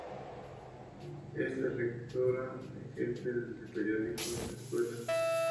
Es la redactora jefe del periódico de la escuela.